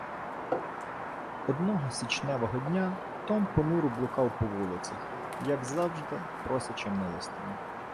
Одного січневого дня Том понуро блукав по вулицях, як завжди просячи милостині.